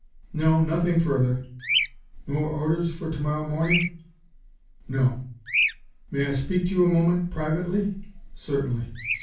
"No, nothing further." "No orders for to morrow morning?" "No." "May I speak to you a moment privately?" "Certainly."